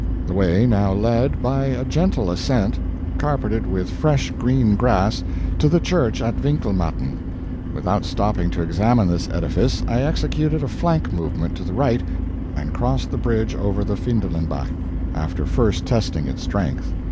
The way now led, by a gentle ascent, carpeted with fresh green grass, to the church at Winkelmatten. Without stopping to examine this edifice, I executed a flank movement to the right and crossed the bridge over the Findelenbach, after first testing its strength.